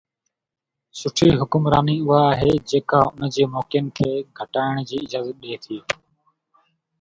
سٺي حڪمراني اها آهي جيڪا ان جي موقعن کي گهٽائڻ جي اجازت ڏئي ٿي.